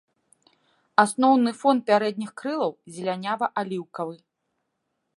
Асноўны фон пярэдніх крылаў зелянява-аліўкавы.